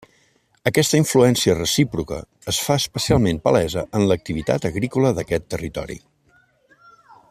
Aquesta influència recíproca es fa especialment palesa en l’activitat agrícola d’aquest territori.